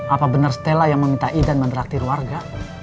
apa benar stella yang meminta idan mendraktir warga